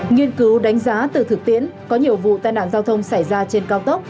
nghiên cứu đánh giá từ thực tiễn có nhiều vụ tai nạn giao thông xảy ra trên cao tốc